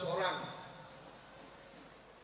jumlahnya lima belas orang